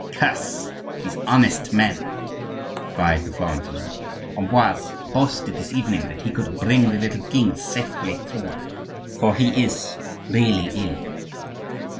"Curse these honest men!" cried the Florentine. "Ambroise boasted this evening that he could bring the little king safely through his present illness (for he is really ill).